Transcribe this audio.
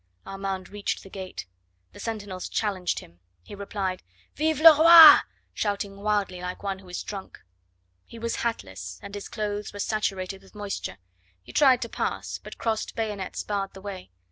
Armand reached the gate; the sentinels challenged him; he replied: "Vive le roi!" shouting wildly like one who is drunk. He was hatless, and his clothes were saturated with moisture. He tried to pass, but crossed bayonets barred the way.